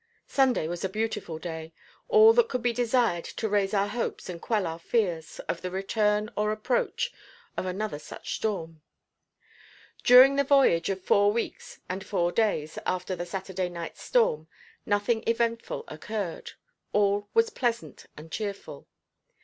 Sunday was a beautiful day, all that could be desired to raise our hopes and quell our fears of the return or approach of another such storm. During the voyage of four weeks and four days after the Saturday night's storm nothing eventful occurred; all was pleasant and cheerful.